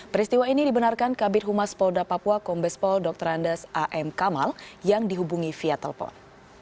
peristiwa ini dibenarkan kabir humas polda papua kombespol dr andes a m kamal yang dihubungi via telepon